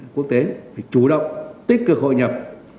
quốc tế chủ động tích cực hội nhập